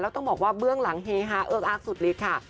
ต้องบอกว่าเบื้องหลังเฮฮาเอิกอักสุดฤทธิ์ค่ะ